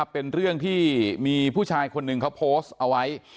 เป็นเรื่องที่มีผู้ชายคนหนึ่งเขาโพสต์เอาไว้